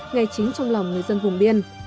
ngay chính trong lòng người dân vùng biên